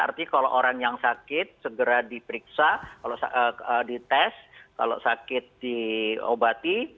artinya kalau orang yang sakit segera diperiksa kalau dites kalau sakit diobati